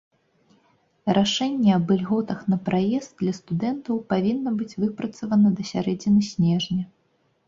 Рашэнне аб ільготах на праезд для студэнтаў павінна быць выпрацавана да сярэдзіны снежня.